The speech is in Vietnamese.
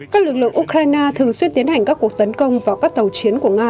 các lực lượng ukraine thường xuyên tiến hành các cuộc tấn công vào các tàu chiến của nga